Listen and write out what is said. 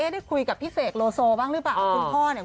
ได้คุยกับพี่เสกโลโซบ้างหรือเปล่า